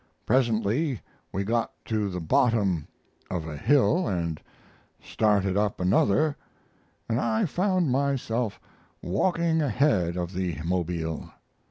Presently we got to the bottom of a hill and started up another, and I found myself walking ahead of the 'mobile.